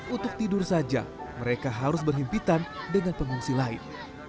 untuk tidur saja mereka harus berhimpitan dengan pengungsi lain